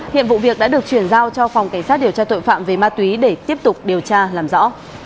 hiện vụ việc đã được chuyển giao cho phòng cảnh sát điều tra tội phạm về ma túy để tiếp tục điều tra làm rõ